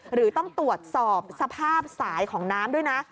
หรือต้องตรวจสอบสภาพสายของน้ำด้วยนะ